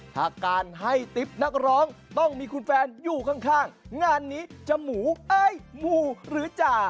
ถ้าการให้ติ๊บนักร้องต้องมีคุณแฟนอยู่ข้างงานนี้จะหมูเอ้ยหมูหรือจ่า